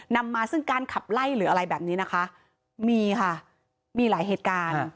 นำมาซึ่งการขับไล่หรืออะไรแบบนี้นะคะมีค่ะมีหลายเหตุการณ์